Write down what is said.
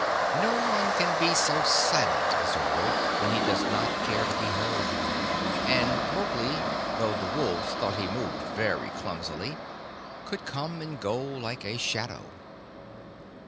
No one can be so silent as a wolf when he does not care to be heard; and Mowgli, though the wolves thought he moved very clumsily, could come and go like a shadow.